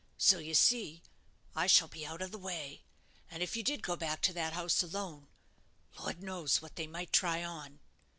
So, you see, I shall be out of the way. And if you did go back to that house alone, Lord knows what they might try on."